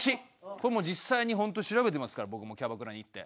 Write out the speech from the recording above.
これ実際にホント調べてますから僕もキャバクラに行って。